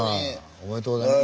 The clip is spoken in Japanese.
おめでとうございます。